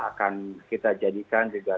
akan kita jadikan juga